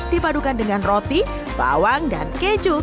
dipadukan dengan roti bawang dan keju